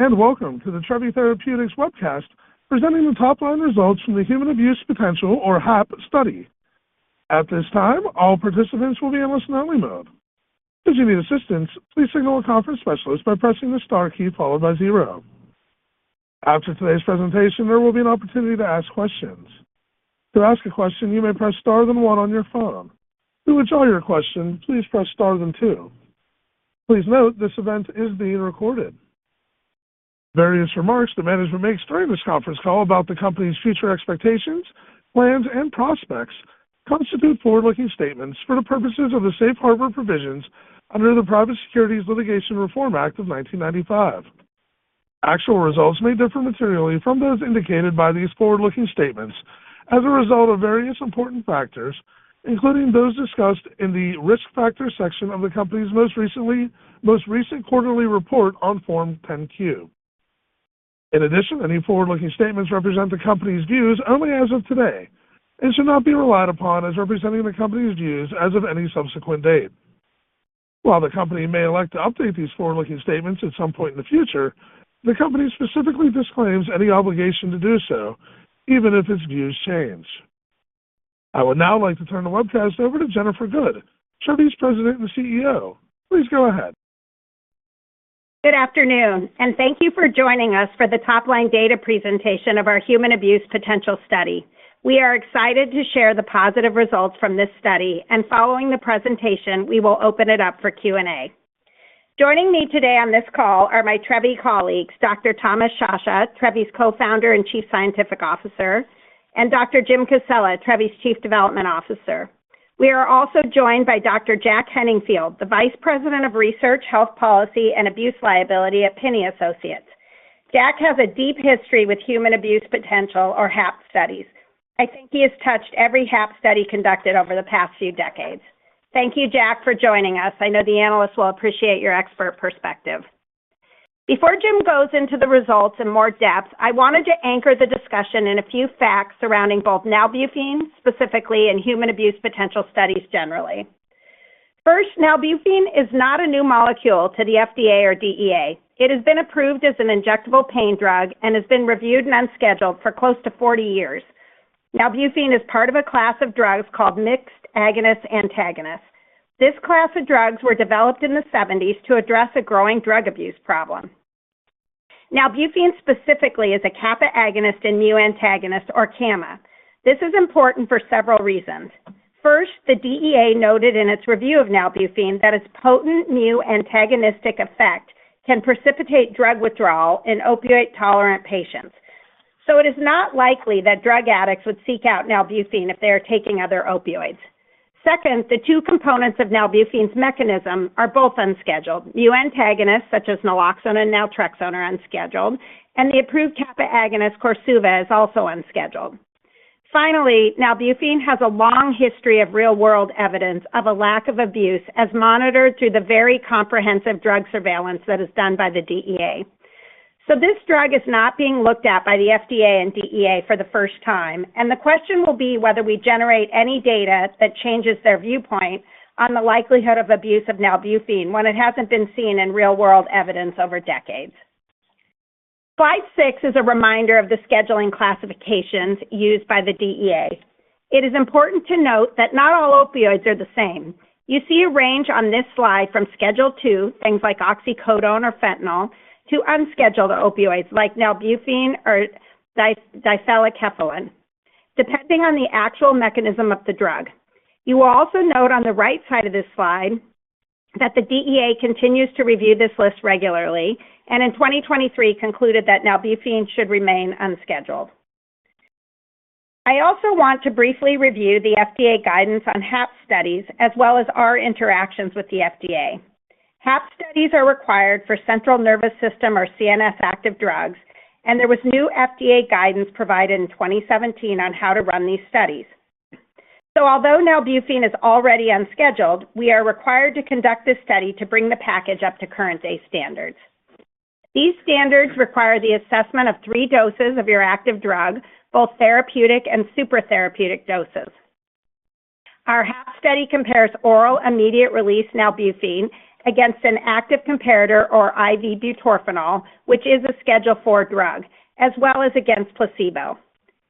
Welcome to the Trevi Therapeutics webcast, presenting the top-line results from the Human Abuse Potential, or HAP, study. At this time, all participants will be in listen-only mode. If you need assistance, please signal a conference specialist by pressing the star key followed by zero. After today's presentation, there will be an opportunity to ask questions. To ask a question, you may press star then one on your phone. To withdraw your question, please press star then two. Please note this event is being recorded. Various remarks the management makes during this conference call about the company's future expectations, plans, and prospects constitute forward-looking statements for the purposes of the Safe Harbor Provisions under the Private Securities Litigation Reform Act of 1995. Actual results may differ materially from those indicated by these forward-looking statements as a result of various important factors, including those discussed in the risk factor section of the company's most recent quarterly report on Form 10-Q. In addition, any forward-looking statements represent the company's views only as of today and should not be relied upon as representing the company's views as of any subsequent date. While the company may elect to update these forward-looking statements at some point in the future, the company specifically disclaims any obligation to do so, even if its views change. I would now like to turn the webcast over to Jennifer Good, Trevi's President and CEO. Please go ahead. Good afternoon, and thank you for joining us for the top-line data presentation of our Human Abuse Potential study. We are excited to share the positive results from this study, and following the presentation, we will open it up for Q&A. Joining me today on this call are my Trevi colleagues, Dr. Thomas Sciascia, Trevi's Co-founder and Chief Scientific Officer, and Dr. Jim Cassella, Trevi's Chief Development Officer. We are also joined by Dr. Jack Henningfield, the Vice President of Research, Health Policy, and Abuse Liability at Pinney Associates. Jack has a deep history with Human Abuse Potential, or HAP studies. I think he has touched every HAP study conducted over the past few decades. Thank you, Jack, for joining us. I know the analysts will appreciate your expert perspective. Before Jim goes into the results in more depth, I wanted to anchor the discussion in a few facts surrounding both nalbuphine, specifically, and Human Abuse Potential studies generally. First, nalbuphine is not a new molecule to the FDA or DEA. It has been approved as an injectable pain drug and has been reviewed and unscheduled for close to 40 years. Nalbuphine is part of a class of drugs called mixed agonist-antagonist. This class of drugs was developed in the 1970s to address a growing drug abuse problem. Nalbuphine, specifically, is a kappa agonist and mu antagonist, or gamma. This is important for several reasons. First, the DEA noted in its review of nalbuphine that its potent mu antagonistic effect can precipitate drug withdrawal in opioid-tolerant patients, so it is not likely that drug addicts would seek out nalbuphine if they are taking other opioids. Second, the two components of nalbuphine's mechanism are both unscheduled. Mu antagonists, such as naloxone and naltrexone, are unscheduled, and the approved kappa agonist, Korsuva, is also unscheduled. Finally, nalbuphine has a long history of real-world evidence of a lack of abuse, as monitored through the very comprehensive drug surveillance that is done by the DEA. So this drug is not being looked at by the FDA and DEA for the first time, and the question will be whether we generate any data that changes their viewpoint on the likelihood of abuse of nalbuphine when it hasn't been seen in real-world evidence over decades. Slide 6 is a reminder of the scheduling classifications used by the DEA. It is important to note that not all opioids are the same. You see a range on this slide from Schedule II, things like oxycodone or fentanyl, to unscheduled opioids like nalbuphine or difelikefalin, depending on the actual mechanism of the drug. You will also note on the right side of this slide that the DEA continues to review this list regularly and in 2023 concluded that nalbuphine should remain unscheduled. I also want to briefly review the FDA guidance on HAP studies, as well as our interactions with the FDA. HAP studies are required for central nervous system, or CNS, active drugs, and there was new FDA guidance provided in 2017 on how to run these studies. So although nalbuphine is already unscheduled, we are required to conduct this study to bring the package up to current-day standards. These standards require the assessment of three doses of your active drug, both therapeutic and supratherapeutic doses. Our HAP study compares oral immediate-release nalbuphine against an active comparator, or IV butorphanol, which is a Schedule IV drug, as well as against placebo.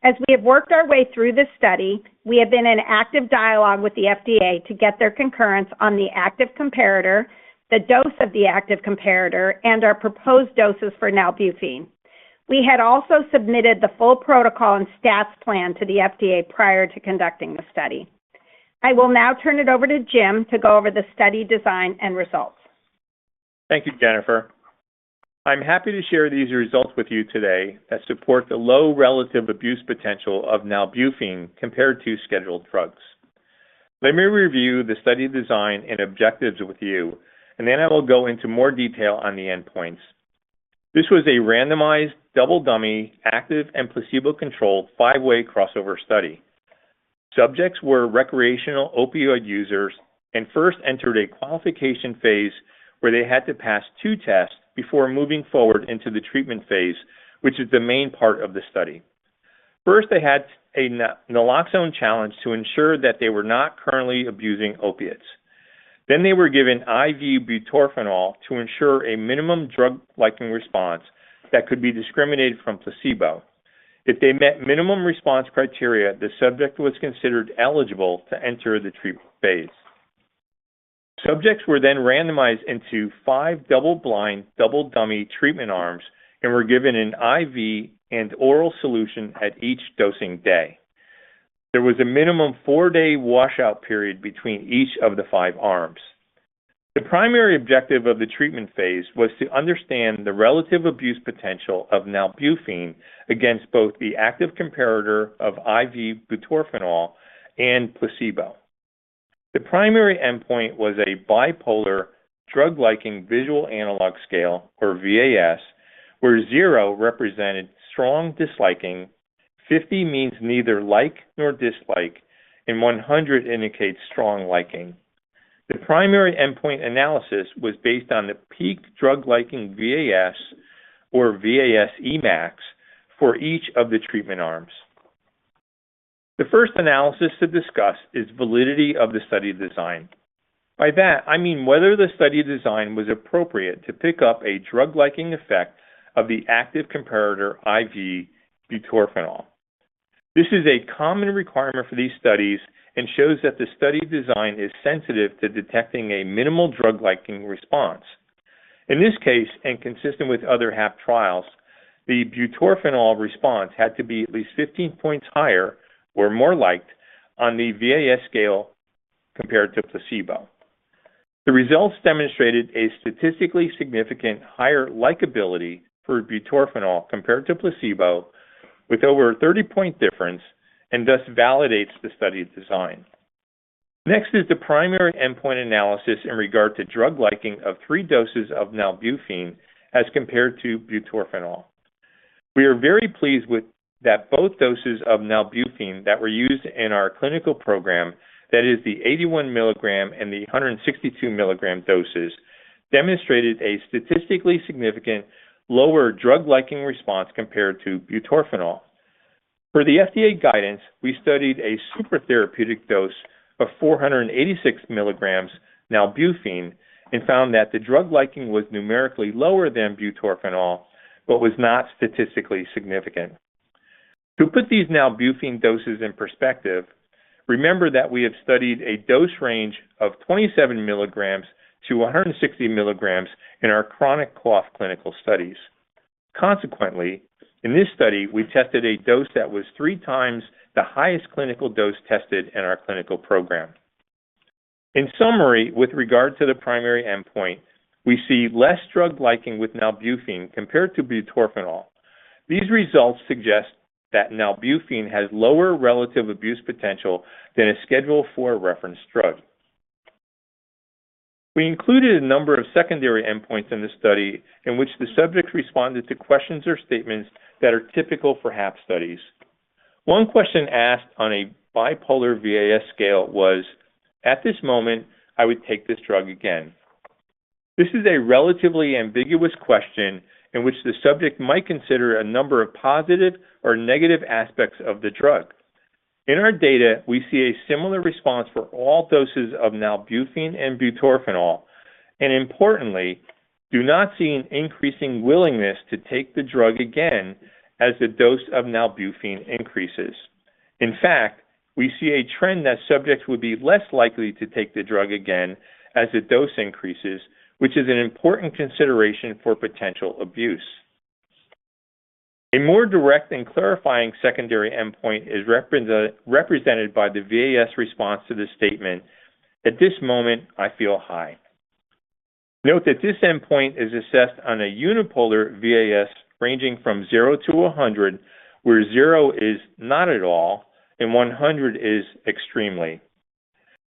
As we have worked our way through this study, we have been in active dialogue with the FDA to get their concurrence on the active comparator, the dose of the active comparator, and our proposed doses for nalbuphine. We had also submitted the full protocol and stats plan to the FDA prior to conducting the study. I will now turn it over to Jim to go over the study design and results. Thank you, Jennifer. I'm happy to share these results with you today that support the low relative abuse potential of nalbuphine compared to scheduled drugs. Let me review the study design and objectives with you, and then I will go into more detail on the endpoints. This was a randomized, double-dummy, active, and placebo-controlled five-way crossover study. Subjects were recreational opioid users and first entered a qualification phase where they had to pass two tests before moving forward into the treatment phase, which is the main part of the study. First, they had a naloxone challenge to ensure that they were not currently abusing opiates. Then they were given IV butorphanol to ensure a minimum drug-liking response that could be discriminated from placebo. If they met minimum response criteria, the subject was considered eligible to enter the treatment phase. Subjects were then randomized into five double-blind, double-dummy treatment arms and were given an IV and oral solution at each dosing day. There was a minimum four-day washout period between each of the five arms. The primary objective of the treatment phase was to understand the relative abuse potential of nalbuphine against both the active comparator of IV butorphanol and placebo. The primary endpoint was a bipolar drug-liking visual analog scale, or VAS, where 0 represented strong disliking, 50 means neither like nor dislike, and 100 indicates strong liking. The primary endpoint analysis was based on the peak drug-liking VAS, or VAS Emax, for each of the treatment arms. The first analysis to discuss is the validity of the study design. By that, I mean whether the study design was appropriate to pick up a drug-liking effect of the active comparator IV butorphanol. This is a common requirement for these studies and shows that the study design is sensitive to detecting a minimal drug-liking response. In this case, and consistent with other HAP trials, the butorphanol response had to be at least 15 points higher or more liked on the VAS scale compared to placebo. The results demonstrated a statistically significant higher likability for butorphanol compared to placebo, with over a 30-point difference, and thus validates the study design. Next is the primary endpoint analysis in regard to drug-liking of three doses of nalbuphine as compared to butorphanol. We are very pleased that both doses of nalbuphine that were used in our clinical program, that is, the 81 mg and the 162 mg doses, demonstrated a statistically significant lower drug-liking response compared to butorphanol. For the FDA guidance, we studied a supratherapeutic dose of 486 mg of nalbuphine and found that the drug-liking was numerically lower than butorphanol but was not statistically significant. To put these nalbuphine doses in perspective, remember that we have studied a dose range of 27 mg-60 mg in our chronic cough clinical studies. Consequently, in this study, we tested a dose that was three times the highest clinical dose tested in our clinical program. In summary, with regard to the primary endpoint, we see less drug-liking with nalbuphine compared to butorphanol. These results suggest that nalbuphine has lower relative abuse potential than a Schedule IV reference drug. We included a number of secondary endpoints in this study in which the subjects responded to questions or statements that are typical for HAP studies. One question asked on a bipolar VAS scale was, "At this moment, I would take this drug again." This is a relatively ambiguous question in which the subject might consider a number of positive or negative aspects of the drug. In our data, we see a similar response for all doses of nalbuphine and butorphanol, and importantly, do not see an increasing willingness to take the drug again as the dose of nalbuphine increases. In fact, we see a trend that subjects would be less likely to take the drug again as the dose increases, which is an important consideration for potential abuse. A more direct and clarifying secondary endpoint is represented by the VAS response to the statement, "At this moment, I feel high." Note that this endpoint is assessed on a unipolar VAS ranging from 0 to 100, where 0 is not at all and 100 is extremely.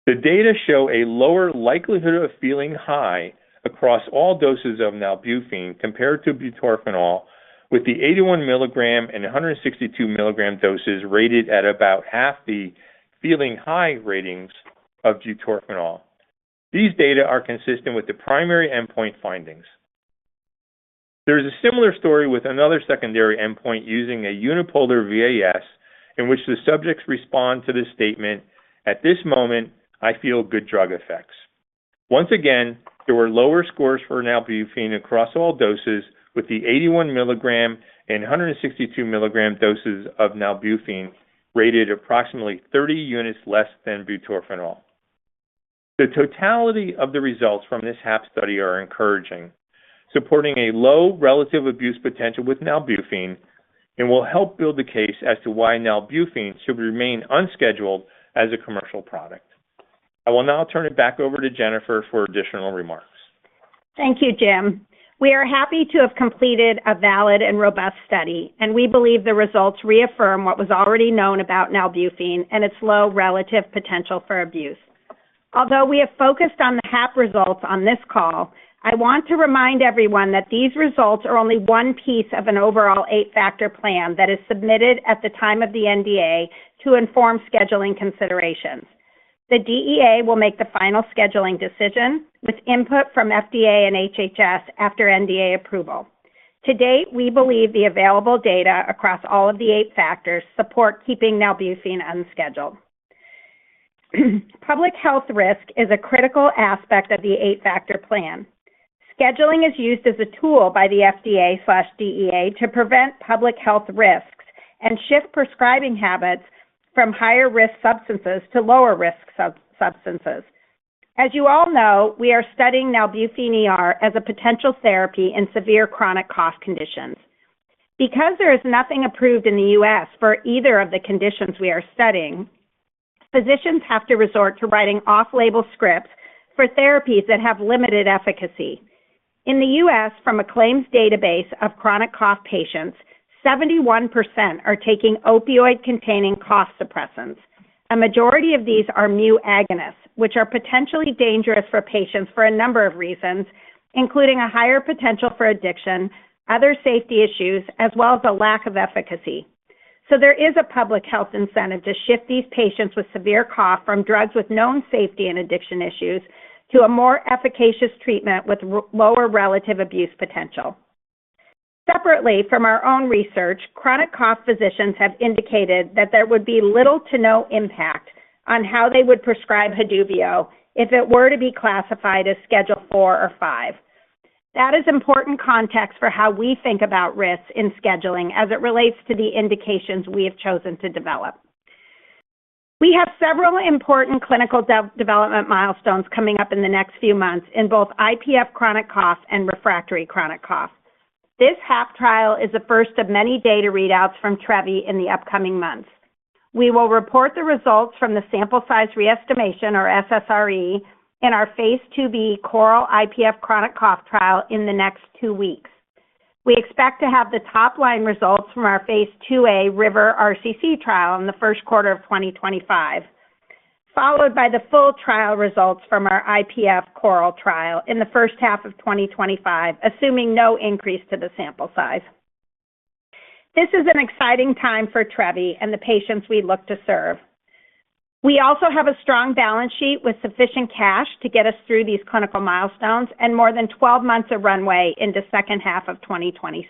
The data show a lower likelihood of feeling high across all doses of nalbuphine compared to butorphanol, with the 81 mg and 162 mg doses rated at about half the feeling high ratings of butorphanol. These data are consistent with the primary endpoint findings. There is a similar story with another secondary endpoint using a unipolar VAS in which the subjects respond to the statement, "At this moment, I feel good drug effects." Once again, there were lower scores for nalbuphine across all doses, with the 81 mg and 162 mg doses of nalbuphine rated approximately 30 units less than butorphanol. The totality of the results from this HAP study are encouraging, supporting a low relative abuse potential with nalbuphine and will help build the case as to why nalbuphine should remain unscheduled as a commercial product. I will now turn it back over to Jennifer for additional remarks. Thank you, Jim. We are happy to have completed a valid and robust study, and we believe the results reaffirm what was already known about nalbuphine and its low relative potential for abuse. Although we have focused on the HAP results on this call, I want to remind everyone that these results are only one piece of an overall eight-factor plan that is submitted at the time of the NDA to inform scheduling considerations. The DEA will make the final scheduling decision with input from FDA and HHS after NDA approval. To date, we believe the available data across all of the eight factors support keeping nalbuphine unscheduled. Public health risk is a critical aspect of the eight-factor plan. Scheduling is used as a tool by the FDA/DEA to prevent public health risks and shift prescribing habits from higher-risk substances to lower-risk substances. As you all know, we are studying nalbuphine as a potential therapy in severe chronic cough conditions. Because there is nothing approved in the U.S. for either of the conditions we are studying, physicians have to resort to writing off-label scripts for therapies that have limited efficacy. In the U.S., from a claims database of chronic cough patients, 71% are taking opioid-containing cough suppressants. A majority of these are mu agonists, which are potentially dangerous for patients for a number of reasons, including a higher potential for addiction, other safety issues, as well as a lack of efficacy. So there is a public health incentive to shift these patients with severe cough from drugs with known safety and addiction issues to a more efficacious treatment with lower relative abuse potential. Separately, from our own research, chronic cough physicians have indicated that there would be little to no impact on how they would prescribe Haduvio if it were to be classified as Schedule IV or V. That is important context for how we think about risks in scheduling as it relates to the indications we have chosen to develop. We have several important clinical development milestones coming up in the next few months in both IPF chronic cough and refractory chronic cough. This HAP trial is the first of many data readouts from Trevi in the upcoming months. We will report the results from the sample size re-estimation, or SSRE, in our phase II-B CORAL IPF chronic cough trial in the next two weeks. We expect to have the top-line results from our phase II-A RIVER RCC trial in the first quarter of 2025, followed by the full trial results from our IPF CORAL trial in the first half of 2025, assuming no increase to the sample size. This is an exciting time for Trevi and the patients we look to serve. We also have a strong balance sheet with sufficient cash to get us through these clinical milestones and more than 12 months of runway into the second half of 2026.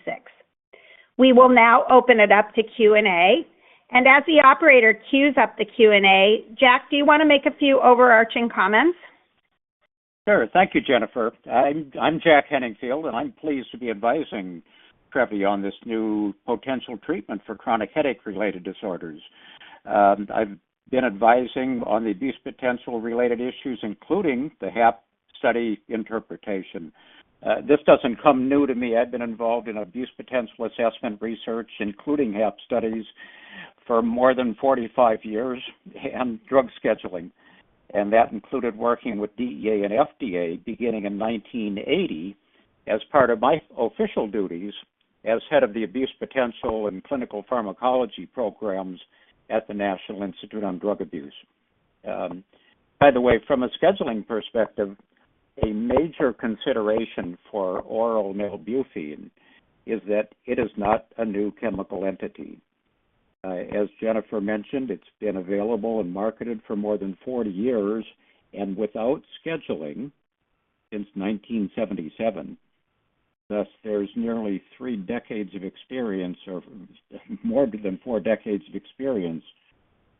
We will now open it up to Q&A, and as the operator queues up the Q&A, Jack, do you want to make a few overarching comments? Sure. Thank you, Jennifer. I'm Jack Henningfield, and I'm pleased to be advising Trevi on this new potential treatment for chronic cough-related disorders. I've been advising on the abuse potential-related issues, including the HAP study interpretation. This doesn't come new to me. I've been involved in abuse potential assessment research, including HAP studies, for more than 45 years and drug scheduling, and that included working with DEA and FDA beginning in 1980 as part of my official duties as head of the abuse potential and clinical pharmacology programs at the National Institute on Drug Abuse. By the way, from a scheduling perspective, a major consideration for oral nalbuphine is that it is not a new chemical entity. As Jennifer mentioned, it's been available and marketed for more than 40 years and without scheduling since 1977. Thus, there's nearly three decades of experience, or more than four decades of experience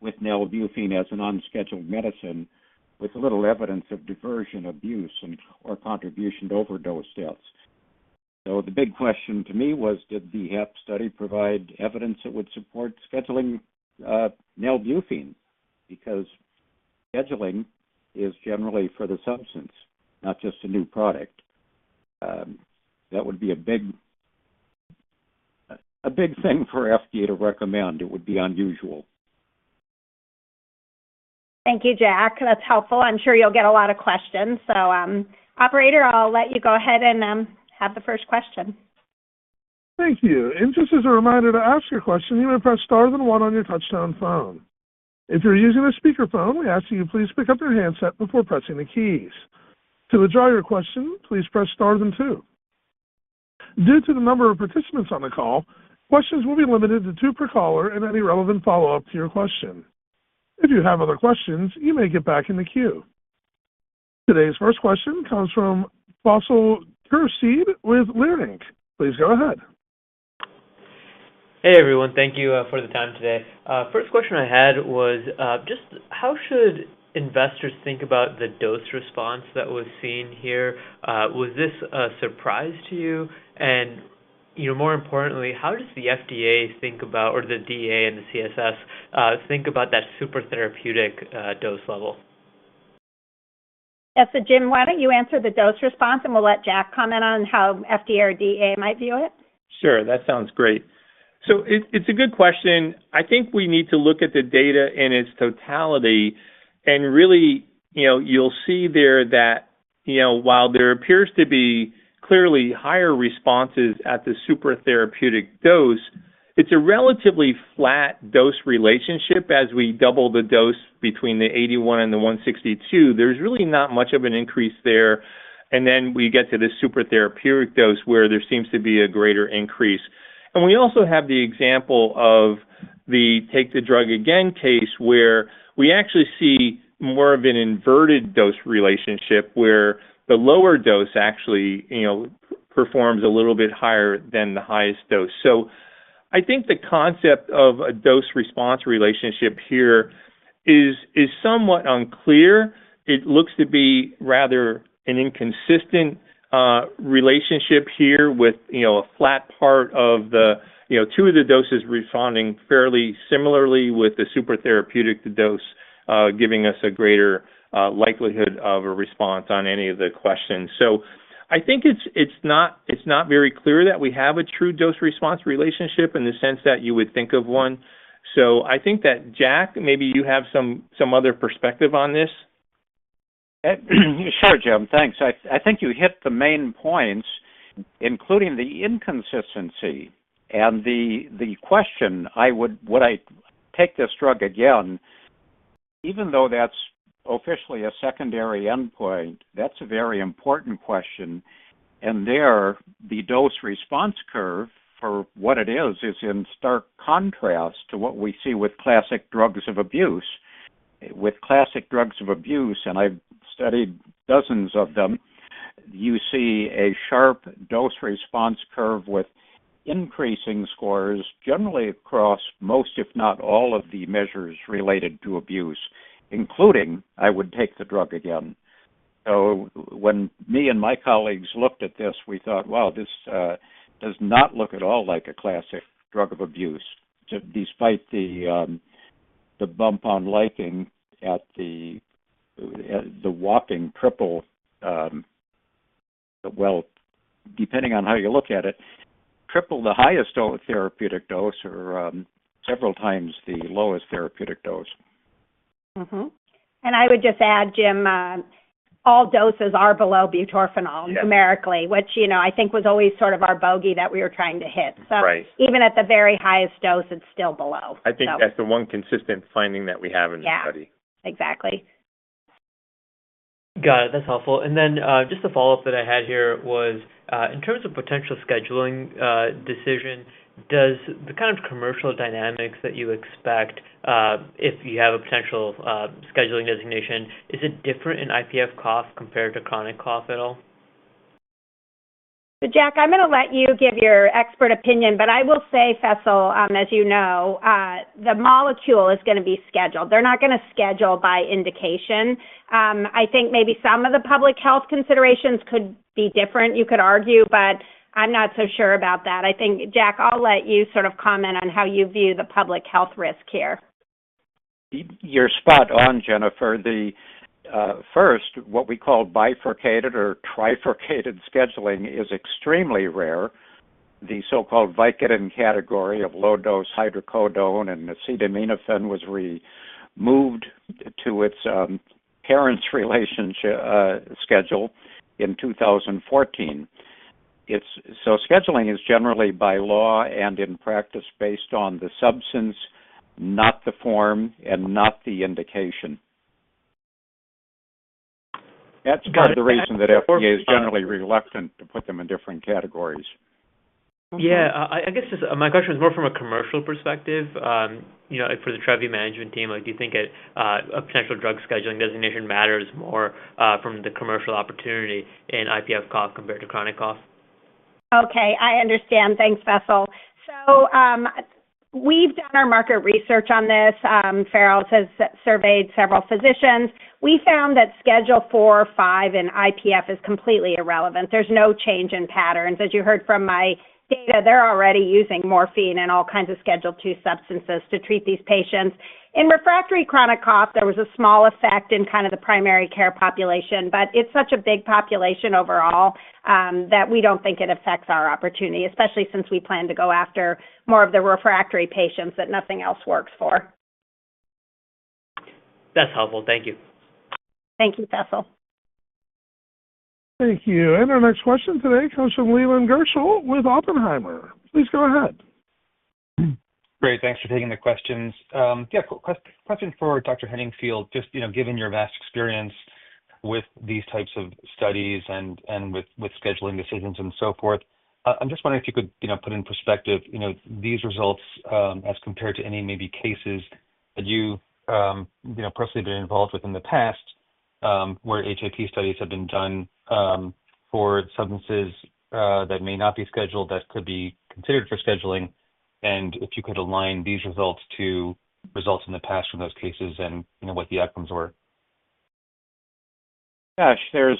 with nalbuphine as an unscheduled medicine, with little evidence of diversion abuse or contribution to overdose deaths. So the big question to me was, did the HAP study provide evidence that would support scheduling nalbuphine? Because scheduling is generally for the substance, not just a new product. That would be a big thing for FDA to recommend. It would be unusual. Thank you, Jack. That's helpful. I'm sure you'll get a lot of questions. So, Operator, I'll let you go ahead and have the first question. Thank you. And just as a reminder to ask your question, you may press star then one on your touch-tone phone. If you're using a speakerphone, we ask that you please pick up your handset before pressing the keys. To withdraw your question, please press star then two. Due to the number of participants on the call, questions will be limited to two per caller and any relevant follow-up to your question. If you have other questions, you may get back in the queue. Today's first question comes from Faisal Khurshid with Leerink Partners. Please go ahead. Hey, everyone. Thank you for the time today. First question I had was just how should investors think about the dose response that was seen here? Was this a surprise to you? And more importantly, how does the FDA think about, or the DEA and the HHS think about that supratherapeutic dose level? So, Jim, why don't you answer the dose response, and we'll let Jack comment on how FDA or DEA might view it? Sure. That sounds great. So it's a good question. I think we need to look at the data in its totality. And really, you'll see there that while there appears to be clearly higher responses at the supratherapeutic dose, it's a relatively flat dose relationship. As we double the dose between the 81 mg and the 162 mg, there's really not much of an increase there. And then we get to the supratherapeutic dose where there seems to be a greater increase. And we also have the example of the Take the Drug Again case where we actually see more of an inverted dose relationship where the lower dose actually performs a little bit higher than the highest dose. So I think the concept of a dose-response relationship here is somewhat unclear. It looks to be rather an inconsistent relationship here with a flat part of the two of the doses responding fairly similarly with the supratherapeutic dose giving us a greater likelihood of a response on any of the questions. So I think it's not very clear that we have a true dose-response relationship in the sense that you would think of one. So I think that, Jack, maybe you have some other perspective on this. Sure, Jim. Thanks. I think you hit the main points, including the inconsistency and the question I would take this drug again. Even though that's officially a secondary endpoint, that's a very important question. And there, the dose-response curve, for what it is, is in stark contrast to what we see with classic drugs of abuse. With classic drugs of abuse, and I've studied dozens of them, you see a sharp dose-response curve with increasing scores generally across most, if not all, of the measures related to abuse, including, I would take the drug again. So when me and my colleagues looked at this, we thought, "Wow, this does not look at all like a classic drug of abuse," despite the bump on liking at the whopping triple, well, depending on how you look at it, triple the highest therapeutic dose or several times the lowest therapeutic dose. And I would just add, Jim, all doses are below butorphanol numerically, which I think was always sort of our bogey that we were trying to hit. So even at the very highest dose, it's still below. I think that's the one consistent finding that we have in the study. Yeah. Exactly. Got it. That's helpful. And then just a follow-up that I had here was, in terms of potential scheduling decision, does the kind of commercial dynamics that you expect if you have a potential scheduling designation, is it different in IPF cough compared to chronic cough at all? So, Jack, I'm going to let you give your expert opinion, but I will say, Faisal, as you know, the molecule is going to be scheduled. They're not going to schedule by indication. I think maybe some of the public health considerations could be different, you could argue, but I'm not so sure about that. I think, Jack, I'll let you sort of comment on how you view the public health risk here. You're spot on, Jennifer. First, what we call bifurcated or trifurcated scheduling is extremely rare. The so-called Vicodin category of low-dose hydrocodone and acetaminophen was removed to parents relation schedule in 2014. So scheduling is generally by law and in practice based on the substance, not the form, and not the indication. That's part of the reason that FDA is generally reluctant to put them in different categories. Yeah. I guess my question was more from a commercial perspective. For the Trevi management team, do you think a potential drug scheduling designation matters more from the commercial opportunity in IPF cough compared to chronic cough? Okay. I understand. Thanks, Faisal. So we've done our market research on this. Farrell has surveyed several physicians. We found that Schedule IV, V, and IPF is completely irrelevant. There's no change in patterns. As you heard from my data, they're already using morphine and all kinds of Schedule 2 substances to treat these patients. In refractory chronic cough, there was a small effect in kind of the primary care population, but it's such a big population overall that we don't think it affects our opportunity, especially since we plan to go after more of the refractory patients that nothing else works for. That's helpful. Thank you. Thank you, Faisal. Thank you. And our next question today comes from Leland Gershell with Oppenheimer. Please go ahead. Great. Thanks for taking the questions. Yeah. Question for Dr. Henningfield, just given your vast experience with these types of studies and with scheduling decisions and so forth, I'm just wondering if you could put in perspective these results as compared to any maybe cases that you personally have been involved with in the past where HAP studies have been done for substances that may not be scheduled that could be considered for scheduling, and if you could align these results to results in the past from those cases and what the outcomes were? Gosh, there's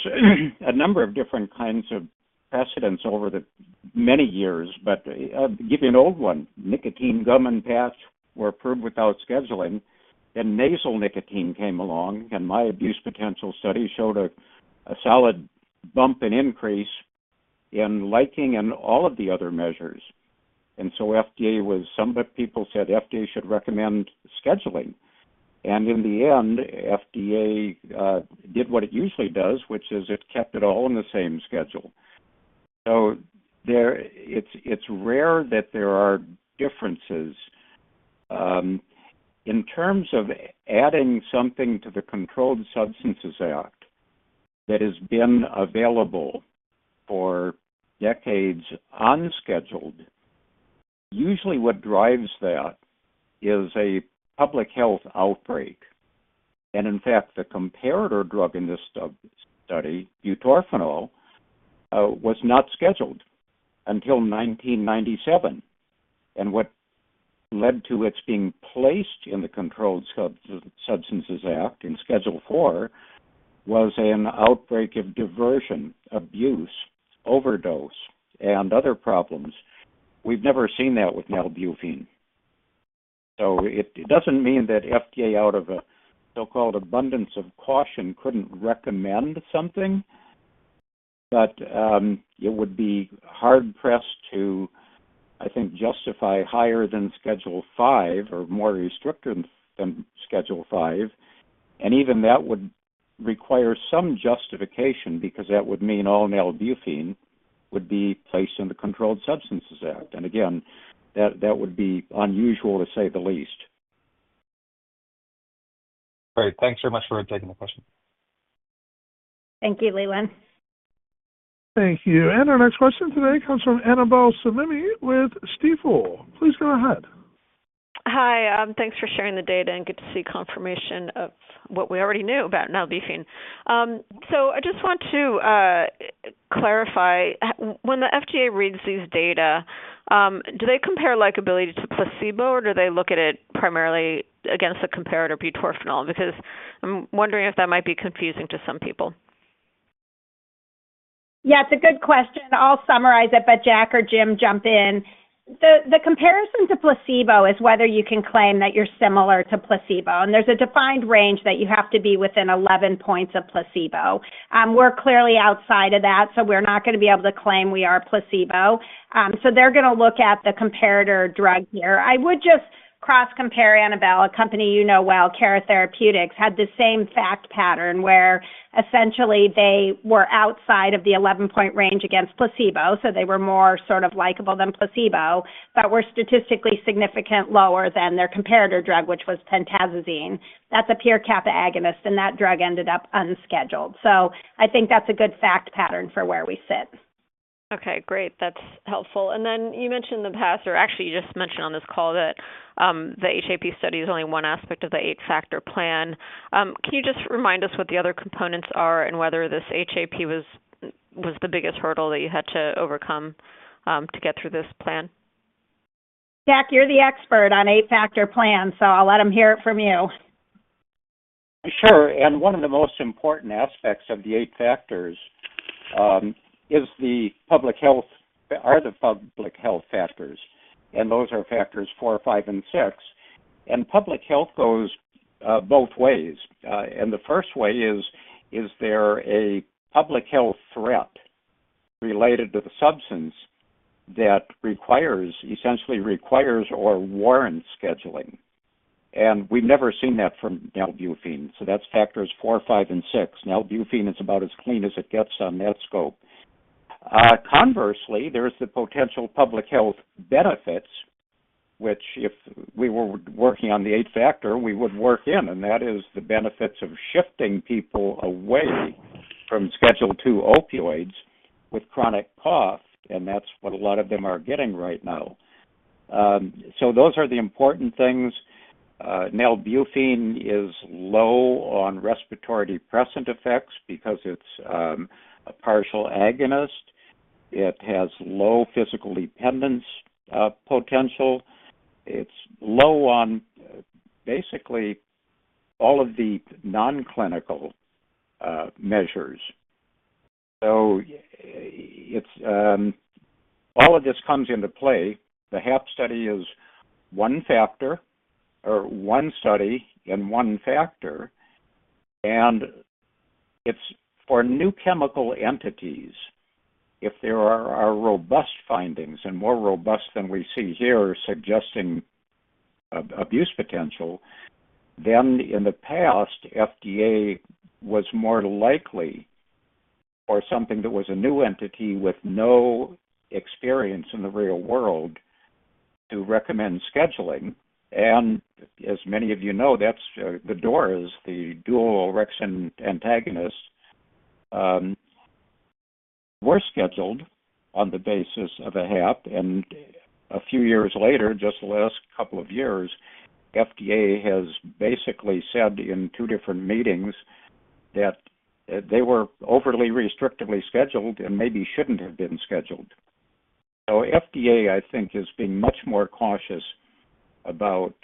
a number of different kinds of precedents over the many years, but I'll give you an old one. Nicotine gum in the past were approved without scheduling, and nasal nicotine came along. And my abuse potential study showed a solid bump and increase in liking and all of the other measures. And so, FDA, some people said, FDA should recommend scheduling. And in the end, FDA did what it usually does, which is it kept it all in the same schedule. So it's rare that there are differences. In terms of adding something to the Controlled Substances Act that has been available for decades unscheduled, usually what drives that is a public health outbreak. And in fact, the comparator drug in this study, butorphanol, was not scheduled until 1997. And what led to its being placed in the Controlled Substances Act in Schedule IV was an outbreak of diversion, abuse, overdose, and other problems. We've never seen that with nalbuphine. So it doesn't mean that FDA out of a so-called abundance of caution couldn't recommend something, but it would be hard-pressed to, I think, justify higher than Schedule V or more restrictive than Schedule V. And even that would require some justification because that would mean all nalbuphine would be placed in the Controlled Substances Act. And again, that would be unusual, to say the least. All right. Thanks very much for taking the question. Thank you, Leland. Thank you, and our next question today comes from Annabel Samimy with Stifel. Please go ahead. Hi. Thanks for sharing the data, and good to see confirmation of what we already knew about nalbuphine. So I just want to clarify, when the FDA reads these data, do they compare likability to placebo, or do they look at it primarily against the comparator butorphanol? Because I'm wondering if that might be confusing to some people. Yeah. It's a good question. I'll summarize it, but Jack or Jim jump in. The comparison to placebo is whether you can claim that you're similar to placebo. And there's a defined range that you have to be within 11 points of placebo. We're clearly outside of that, so we're not going to be able to claim we are placebo. So they're going to look at the comparator drug here. I would just cross-compare Annabel, a company you know well. Cara Therapeutics had the same fact pattern where essentially they were outside of the 11-point range against placebo, so they were more sort of likable than placebo, but were statistically significantly lower than their comparator drug, which was pentazocine. That's a pure kappa agonist, and that drug ended up unscheduled. So I think that's a good fact pattern for where we sit. Okay. Great. That's helpful. And then you mentioned in the past, or actually you just mentioned on this call that the HAP study is only one aspect of the eight-factor plan. Can you just remind us what the other components are and whether this HAP was the biggest hurdle that you had to overcome to get through this plan? Jack, you're the expert on eight-factor plans, so I'll let him hear it from you. Sure. And one of the most important aspects of the eight factors is the public health are the public health factors, and those are factors four, five, and six. And public health goes both ways. And the first way is, is there a public health threat related to the substance that essentially requires or warrants scheduling? And we've never seen that from nalbuphine. So that's factors four, five, and six. Nalbuphine is about as clean as it gets on that scope. Conversely, there's the potential public health benefits, which if we were working on the eight-factor, we would work in, and that is the benefits of shifting people away from Schedule 2 opioids with chronic cough, and that's what a lot of them are getting right now. So those are the important things. Nalbuphine is low on respiratory depressant effects because it's a partial agonist. It has low physical dependence potential. It's low on basically all of the non-clinical measures. So all of this comes into play. The HAP study is one factor or one study and one factor. And for new chemical entities, if there are robust findings and more robust than we see here suggesting abuse potential, then in the past, FDA was more likely for something that was a new entity with no experience in the real world to recommend scheduling. And as many of you know, that's the DORAs, the dual-orexin antagonist. They were scheduled on the basis of a HAP, and a few years later, just the last couple of years, FDA has basically said in two different meetings that they were overly restrictively scheduled and maybe shouldn't have been scheduled. So FDA, I think, has been much more cautious about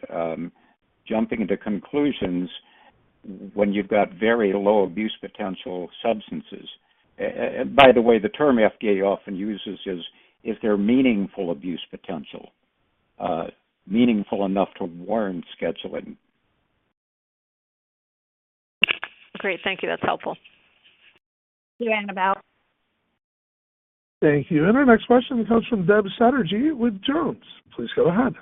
jumping to conclusions when you've got very low abuse potential substances. And by the way, the term FDA often uses is, is there meaningful abuse potential, meaningful enough to warrant scheduling? Great. Thank you. That's helpful. Thank you, Annabel. Thank you. And our next question comes from Deb Chatterjee with Jones. Please go ahead.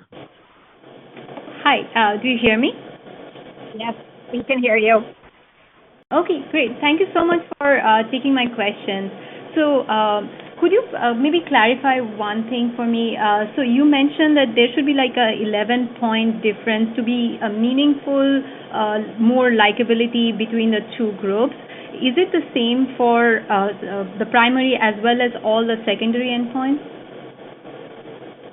Hi. Do you hear me? Yes. We can hear you. Okay. Great. Thank you so much for taking my question. So could you maybe clarify one thing for me? So you mentioned that there should be an 11-point difference to be a meaningful morphine likability between the two groups. Is it the same for the primary as well as all the secondary endpoints?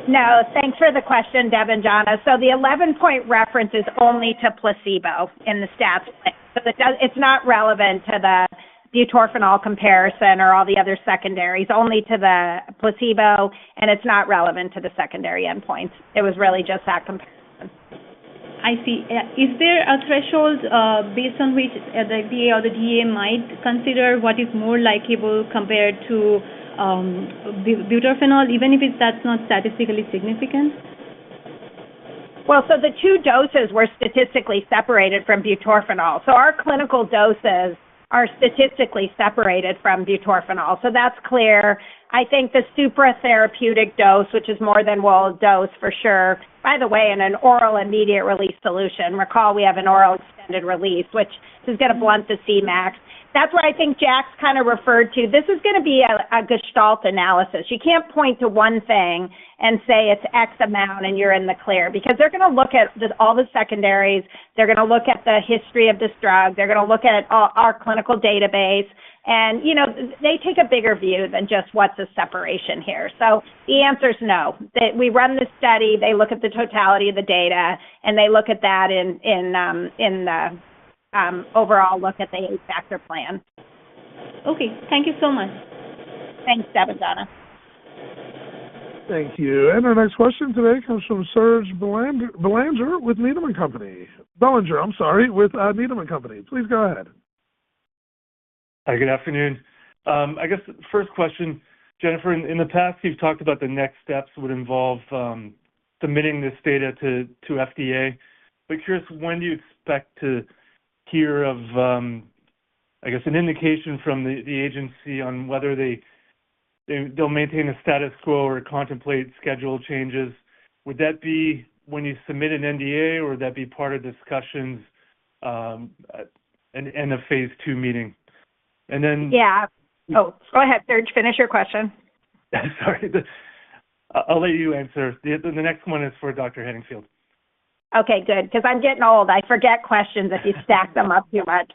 No. Thanks for the question, Debanjana. So the 11-point reference is only to placebo in the stats thing. So it's not relevant to the butorphanol comparison or all the other secondaries. It's only to the placebo, and it's not relevant to the secondary endpoints. It was really just that comparison. I see. Is there a threshold based on which the FDA or the DEA might consider what is more likable compared to butorphanol, even if that's not statistically significant? So the two doses were statistically separated from butorphanol. So our clinical doses are statistically separated from butorphanol. So that's clear. I think the supratherapeutic dose, which is more than we'll dose for sure, by the way, in an oral immediate release solution. Recall, we have an oral extended release, which is going to blunt the CMAX. That's where I think Jack's kind of referred to. This is going to be a Gestalt analysis. You can't point to one thing and say it's X amount, and you're in the clear. Because they're going to look at all the secondaries. They're going to look at the history of this drug. They're going to look at our clinical database. And they take a bigger view than just what's the separation here. So the answer is no. We run this study. They look at the totality of the data, and they look at that in the overall look at the eight-factor analysis. Okay. Thank you so much. Thanks, Debanjana. Thank you. And our next question today comes from Serge Belanger with Needham & Company. Belanger, I'm sorry, with Needham & Company. Please go ahead. Hi. Good afternoon. I guess the first question, Jennifer, in the past, you've talked about the next steps would involve submitting this data to FDA. But curious, when do you expect to hear of, I guess, an indication from the agency on whether they'll maintain the status quo or contemplate schedule changes? Would that be when you submit an NDA, or would that be part of discussions in a phase II meeting? And then. Yeah. Oh, go ahead, Serge. Finish your question. Sorry. I'll let you answer. The next one is for Dr. Henningfield. Okay. Good. Because I'm getting old. I forget questions if you stack them up too much.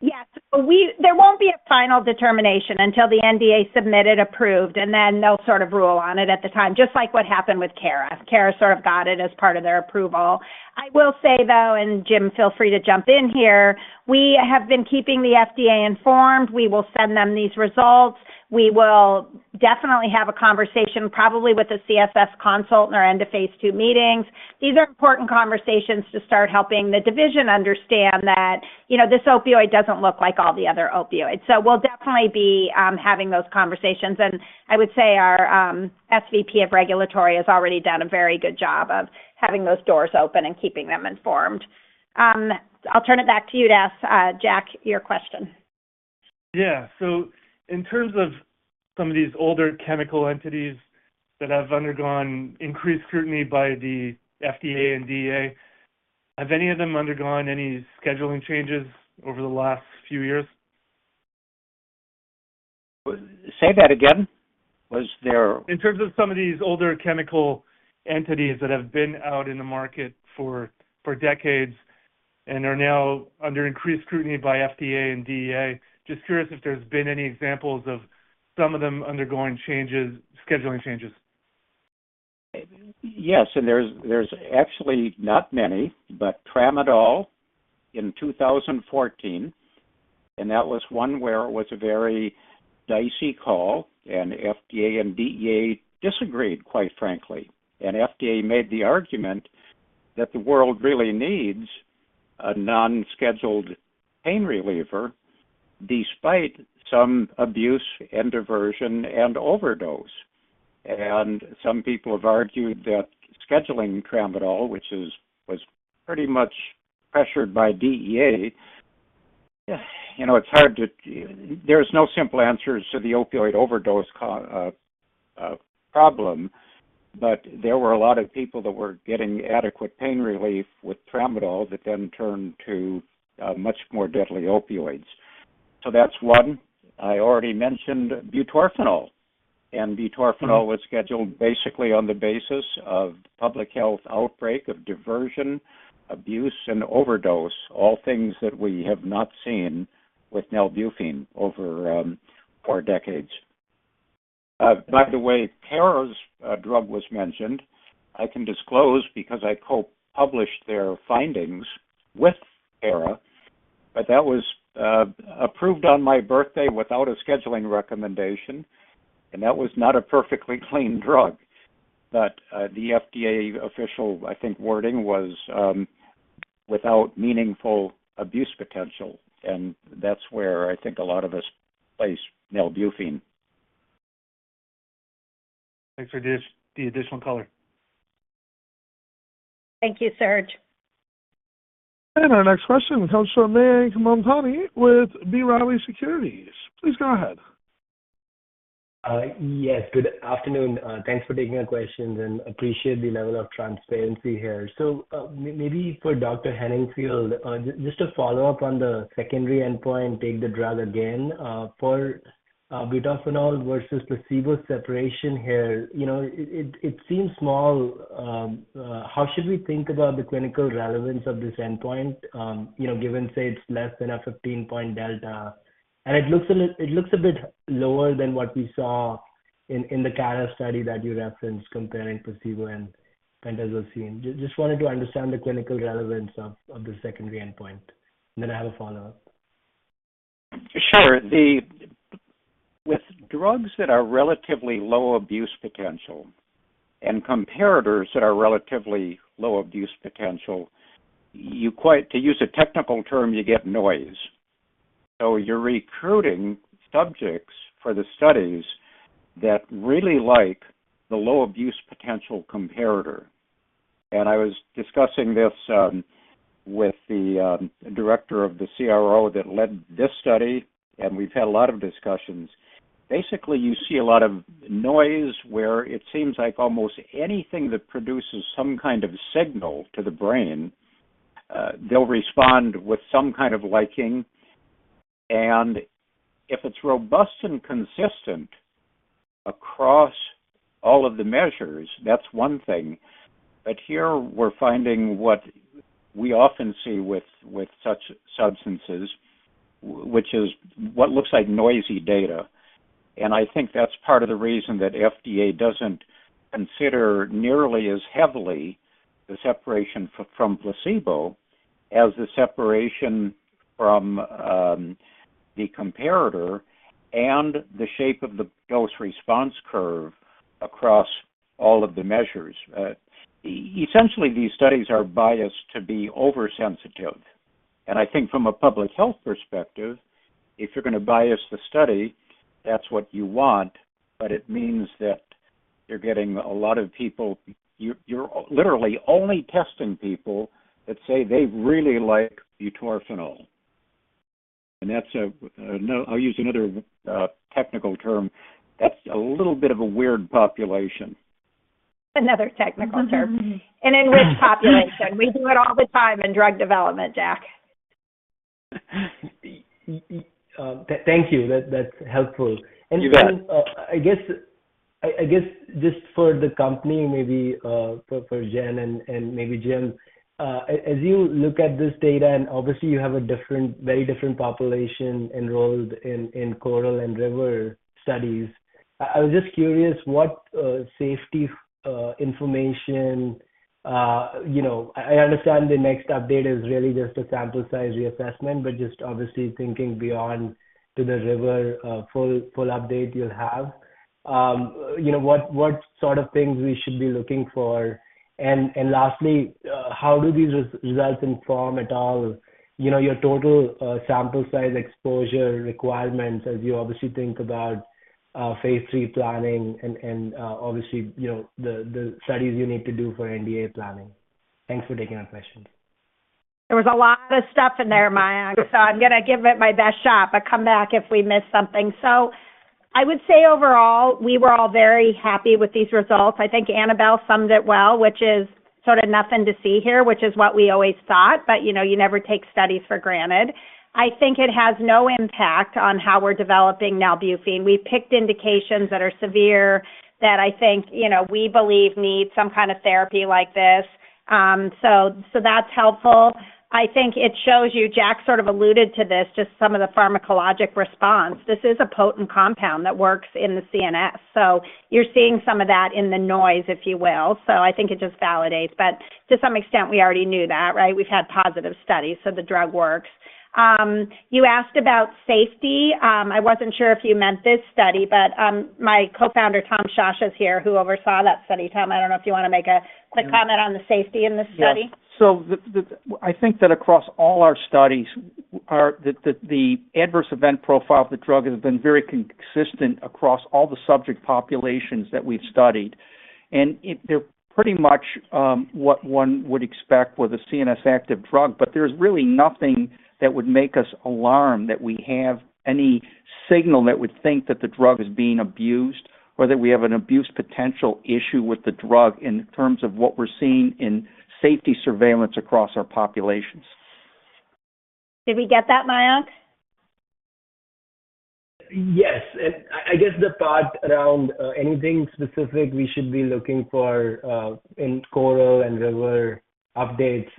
Yes. There won't be a final determination until the NDA is submitted, approved, and then they'll sort of rule on it at the time, just like what happened with Cara. Cara sort of got it as part of their approval. I will say, though, and Jim, feel free to jump in here, we have been keeping the FDA informed. We will send them these results. We will definitely have a conversation probably with a CSS consultant or in the phase two meetings. These are important conversations to start helping the division understand that this opioid doesn't look like all the other opioids. So we'll definitely be having those conversations. And I would say our SVP of Regulatory has already done a very good job of having those doors open and keeping them informed. I'll turn it back to you to ask Jack your question. Yeah, so in terms of some of these older chemical entities that have undergone increased scrutiny by the FDA and DEA, have any of them undergone any scheduling changes over the last few years? Say that again. Was there. In terms of some of these older chemical entities that have been out in the market for decades and are now under increased scrutiny by FDA and DEA, just curious if there's been any examples of some of them undergoing scheduling changes? Yes. And there's actually not many, but tramadol in 2014, and that was one where it was a very dicey call, and FDA and DEA disagreed, quite frankly. And FDA made the argument that the world really needs a non-scheduled pain reliever despite some abuse, and diversion, and overdose. And some people have argued that scheduling tramadol, which was pretty much pressured by DEA, it's hard to. There's no simple answers to the opioid overdose problem, but there were a lot of people that were getting adequate pain relief with tramadol that then turned to much more deadly opioids. So that's one. I already mentioned butorphanol. And butorphanol was scheduled basically on the basis of public health outbreak of diversion, abuse, and overdose, all things that we have not seen with nalbuphine over four decades. By the way, Cara's drug was mentioned. I can disclose because I co-published their findings with Cara, but that was approved on my birthday without a scheduling recommendation, and that was not a perfectly clean drug. But the FDA official, I think, wording was without meaningful abuse potential, and that's where I think a lot of us place nalbuphine. Thanks for the additional color. Thank you, Serge. Our next question comes from Mayank Mamtani with B. Riley Securities. Please go ahead. Yes. Good afternoon. Thanks for taking the questions, and appreciate the level of transparency here. So maybe for Dr. Henningfield, just to follow up on the secondary endpoint, take the drug again. For butorphanol versus placebo separation here, it seems small. How should we think about the clinical relevance of this endpoint given, say, it's less than a 15-point delta? And it looks a bit lower than what we saw in the Cara study that you referenced comparing placebo and pentazocine. Just wanted to understand the clinical relevance of the secondary endpoint, and then I have a follow-up. Sure. With drugs that are relatively low abuse potential and comparators that are relatively low abuse potential, to use a technical term, you get noise. So you're recruiting subjects for the studies that really like the low abuse potential comparator. And I was discussing this with the director of the CRO that led this study, and we've had a lot of discussions. Basically, you see a lot of noise where it seems like almost anything that produces some kind of signal to the brain, they'll respond with some kind of liking. And if it's robust and consistent across all of the measures, that's one thing. But here, we're finding what we often see with such substances, which is what looks like noisy data. I think that's part of the reason that FDA doesn't consider nearly as heavily the separation from placebo as the separation from the comparator and the shape of the dose-response curve across all of the measures. Essentially, these studies are biased to be over-sensitive. I think from a public health perspective, if you're going to bias the study, that's what you want, but it means that you're getting a lot of people, you're literally only testing people that say they really like butorphanol. I'll use another technical term. That's a little bit of a weird population. Another technical term. And in which population? We do it all the time in drug development, Jack. Thank you. That's helpful. And I guess just for the company, maybe for Jen and maybe Jim, as you look at this data, and obviously, you have a very different population enrolled in CORAL and RIVER studies, I was just curious what safety information, I understand the next update is really just a sample size reassessment, but just obviously thinking beyond to the RIVER full update you'll have, what sort of things we should be looking for? And lastly, how do these results inform at all your total sample size exposure requirements as you obviously think about phase three planning and obviously the studies you need to do for NDA planning? Thanks for taking our questions. There was a lot of stuff in there, Mayank, so I'm going to give it my best shot. But come back if we miss something. So I would say overall, we were all very happy with these results. I think Annabel summed it well, which is sort of nothing to see here, which is what we always thought, but you never take studies for granted. I think it has no impact on how we're developing nalbuphine. We picked indications that are severe that I think we believe need some kind of therapy like this. So that's helpful. I think it shows you, Jack sort of alluded to this, just some of the pharmacologic response. This is a potent compound that works in the CNS. So you're seeing some of that in the noise, if you will. So I think it just validates. But to some extent, we already knew that, right? We've had positive studies, so the drug works. You asked about safety. I wasn't sure if you meant this study, but my co-founder, Tom Sciascia, is here who oversaw that study. Tom, I don't know if you want to make a quick comment on the safety in this study. Yeah, so I think that across all our studies, the adverse event profile of the drug has been very consistent across all the subject populations that we've studied, and they're pretty much what one would expect with a CNS active drug, but there's really nothing that would make us alarm that we have any signal that would think that the drug is being abused or that we have an abuse potential issue with the drug in terms of what we're seeing in safety surveillance across our populations. Did we get that, Mayank? Yes. I guess the thought around anything specific we should be looking for in CORAL and RIVER updates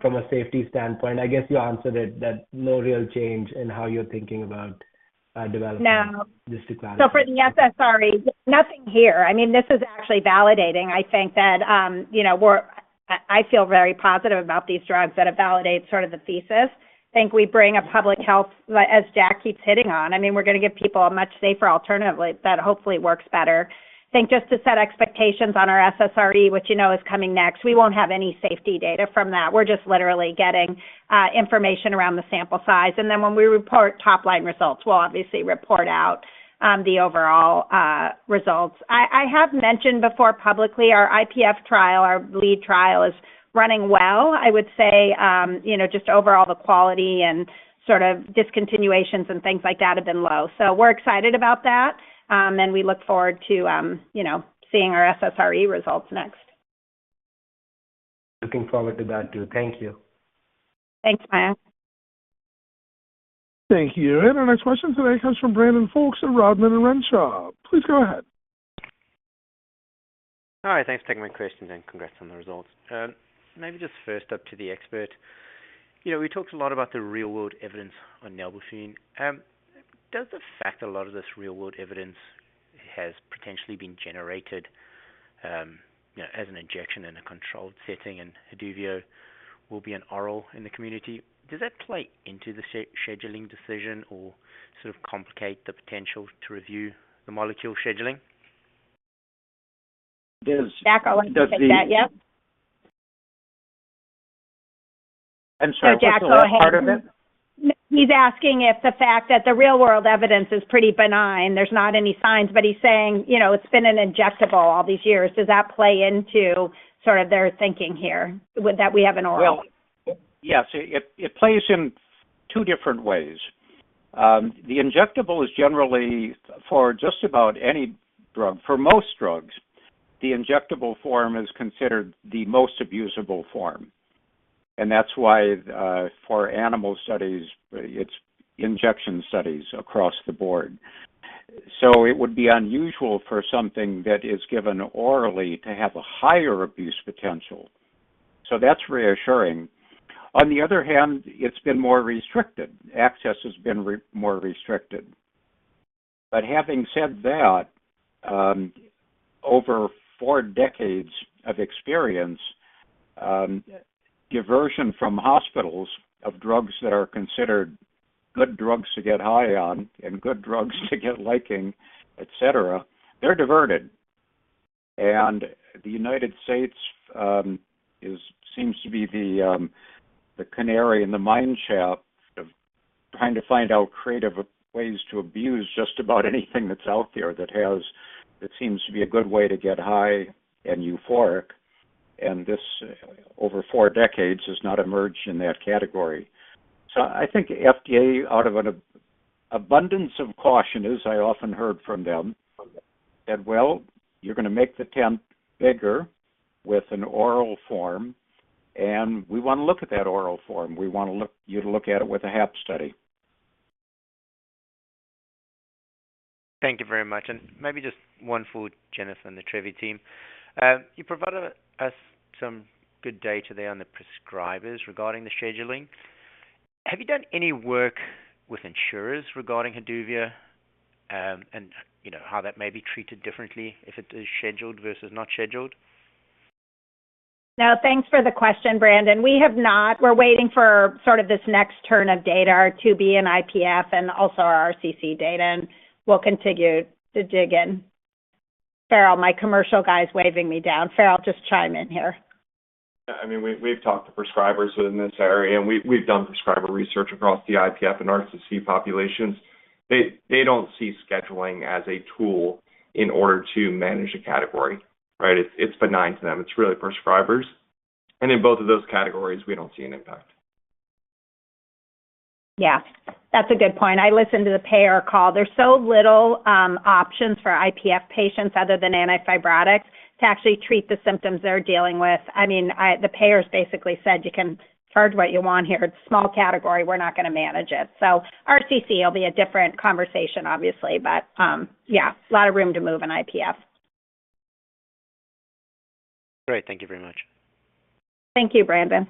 from a safety standpoint. I guess you answered it, that no real change in how you're thinking about development. No. So for the SSREs, nothing here. I mean, this is actually validating. I think that I feel very positive about these drugs that validate sort of the thesis. I think we bring a public health, as Jack keeps hitting on. I mean, we're going to give people a much safer alternative that hopefully works better. I think just to set expectations on our SSRE, which you know is coming next, we won't have any safety data from that. We're just literally getting information around the sample size. And then when we report top-line results, we'll obviously report out the overall results. I have mentioned before publicly our IPF trial, our lead trial, is running well. I would say just overall, the quality and sort of discontinuations and things like that have been low. So we're excited about that, and we look forward to seeing our SSRE results next. Looking forward to that too. Thank you. Thanks, Mayank. Thank you. Our next question today comes from Brandon Folkes of Rodman & Renshaw. Please go ahead. Hi. Thanks for taking my question, and congrats on the results. Maybe just first up to the expert. We talked a lot about the real-world evidence on nalbuphine. Does the fact a lot of this real-world evidence has potentially been generated as an injection in a controlled setting and Haduvio will be an oral in the community, does that play into the scheduling decision or sort of complicate the potential to review the molecule scheduling? Yes. Jack, I'll let you take that. Yes. I'm sorry. Is Jack going ahead? What's the second part of it? He's asking if the fact that the real-world evidence is pretty benign, there's not any signs, but he's saying it's been an injectable all these years. Does that play into sort of their thinking here that we have an oral? Yeah. So it plays in two different ways. The injectable is generally for just about any drug. For most drugs, the injectable form is considered the most abusable form. And that's why for animal studies, it's injection studies across the board. So it would be unusual for something that is given orally to have a higher abuse potential. So that's reassuring. On the other hand, it's been more restricted. Access has been more restricted. But having said that, over four decades of experience, diversion from hospitals of drugs that are considered good drugs to get high on and good drugs to get liking, etc., they're diverted. And the United States seems to be the canary in the mineshaft of trying to find out creative ways to abuse just about anything that's out there that seems to be a good way to get high and euphoric. This over four decades has not emerged in that category. I think FDA, out of an abundance of cautions, as I often heard from them, said, "Well, you're going to make the tent bigger with an oral form, and we want to look at that oral form. We want you to look at it with a HAP study. Thank you very much, and maybe just one for Jennifer and the Trevi team. You provided us some good data there on the prescribers regarding the scheduling. Have you done any work with insurers regarding Haduvio and how that may be treated differently if it is scheduled versus not scheduled? No. Thanks for the question, Brandon. We have not. We're waiting for sort of this next tranche of data to be in IPF and also our RCC data, and we'll continue to dig in. Farrell, my commercial guy's waving me down. Farrell, just chime in here. I mean, we've talked to prescribers in this area, and we've done prescriber research across the IPF and RCC populations. They don't see scheduling as a tool in order to manage a category, right? It's benign to them. It's really prescribers. And in both of those categories, we don't see an impact. Yeah. That's a good point. I listened to the payer call. There's so little options for IPF patients other than antifibrotics to actually treat the symptoms they're dealing with. I mean, the payers basically said, "You can charge what you want here. It's a small category. We're not going to manage it." So RCC will be a different conversation, obviously, but yeah, a lot of room to move in IPF. Great. Thank you very much. Thank you, Brandon.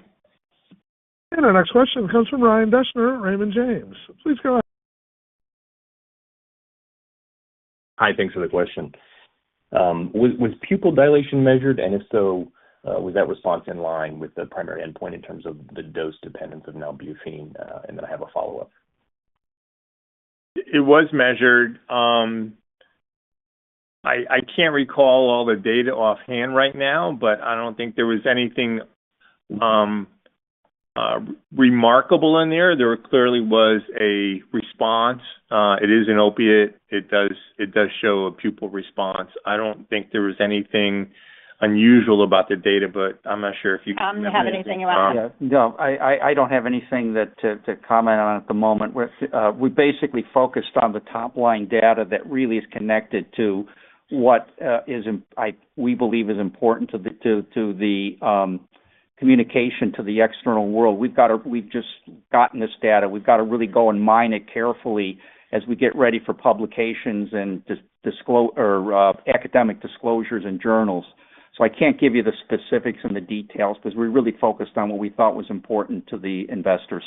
Our next question comes from Ryan Deschner, Raymond James. Please go ahead. Hi. Thanks for the question. Was pupil dilation measured, and if so, was that response in line with the primary endpoint in terms of the dose dependence of nalbuphine? And then I have a follow-up. It was measured. I can't recall all the data offhand right now, but I don't think there was anything remarkable in there. There clearly was a response. It is an opiate. It does show a pupil response. I don't think there was anything unusual about the data, but I'm not sure if you can comment on that. I don't have anything about that. No. I don't have anything to comment on at the moment. We basically focused on the top-line data that really is connected to what we believe is important to the communication to the external world. We've just gotten this data. We've got to really go and mine it carefully as we get ready for publications and academic disclosures and journals. So I can't give you the specifics and the details because we're really focused on what we thought was important to the investors.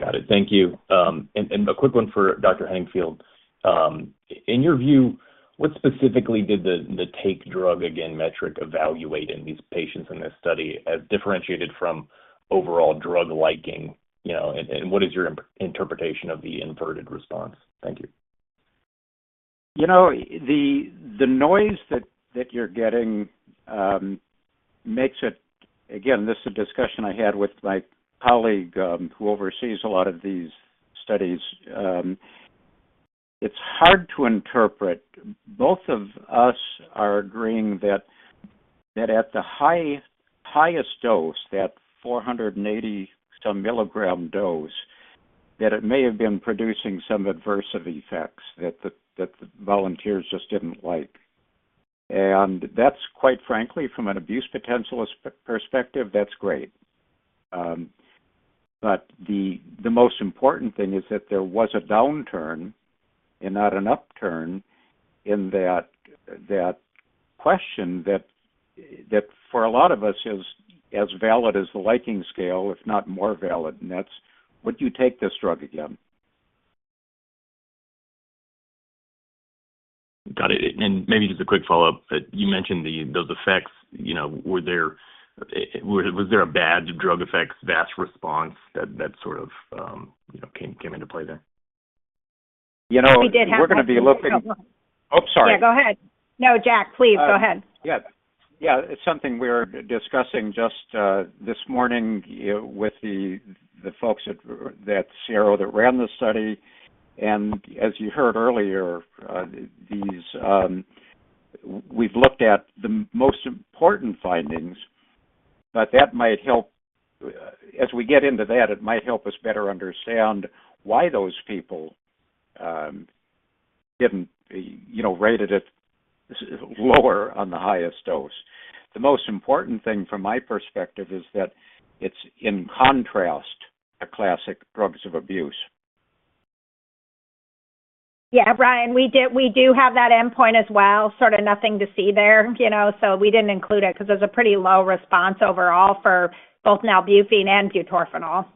Got it. Thank you. And a quick one for Dr. Henningfield. In your view, what specifically did the take drug again metric evaluate in these patients in this study as differentiated from overall drug liking? And what is your interpretation of the inverted response? Thank you. The noise that you're getting makes it. Again, this is a discussion I had with my colleague who oversees a lot of these studies. It's hard to interpret. Both of us are agreeing that at the highest dose, that 480-some mg dose, that it may have been producing some adverse effects that the volunteers just didn't like. And that's quite frankly, from an abuse potential perspective, that's great. But the most important thing is that there was a downturn and not an upturn in that question that for a lot of us is as valid as the liking scale, if not more valid. And that's, "What do you take this drug again? Got it, and maybe just a quick follow-up. You mentioned those effects. Was there a bad drug effects VAS response that sort of came into play there? We did have a question. We're going to be looking. Oh, sorry. Yeah. Go ahead. No, Jack, please go ahead. Yeah. Yeah. It's something we're discussing just this morning with the folks at Celerion that ran the study. And as you heard earlier, we've looked at the most important findings, but that might help, as we get into that, it might help us better understand why those people rated it lower on the highest dose. The most important thing from my perspective is that it's in contrast to classic drugs of abuse. Yeah. Ryan, we do have that endpoint as well. Sort of nothing to see there. We didn't include it because there's a pretty low response overall for both nalbuphine and butorphanol.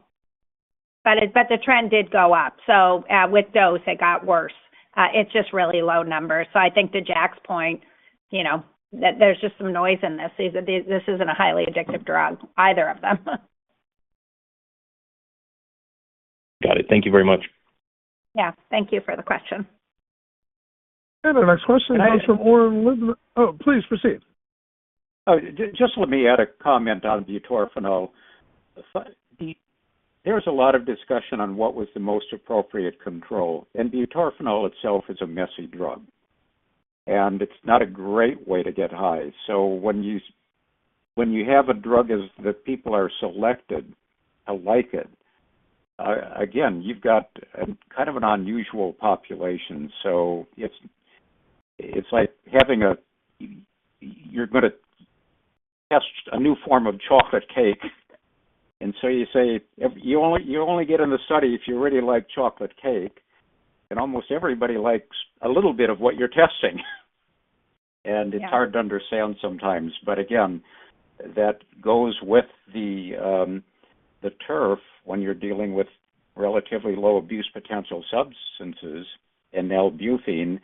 But the trend did go up. With dose, it got worse. It's just really low numbers. I think to Jack's point, there's just some noise in this. This isn't a highly addictive drug, either of them. Got it. Thank you very much. Yeah. Thank you for the question. Our next question comes from Oren Livnat. Oh, please proceed. Just let me add a comment on butorphanol. There was a lot of discussion on what was the most appropriate control. And butorphanol itself is a messy drug. And it's not a great way to get high. So when you have a drug that people are selected to like it, again, you've got kind of an unusual population. So it's like having a, you're going to test a new form of chocolate cake. And so you say you only get in the study if you really like chocolate cake. And almost everybody likes a little bit of what you're testing. And it's hard to understand sometimes. But again, that goes with the turf when you're dealing with relatively low abuse potential substances. And nalbuphine,